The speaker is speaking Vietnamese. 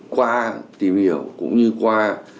qua tìm hiểu cũng như qua